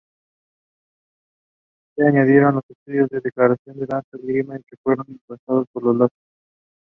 Clypeus narrowly expanded laterally over the eyes.